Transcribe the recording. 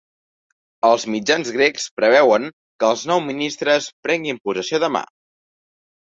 Els mitjans grecs preveuen que els nou ministres prenguin possessió demà.